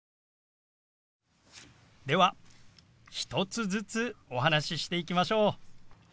では１つずつお話ししていきましょう。